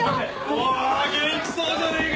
お元気そうじゃねえか。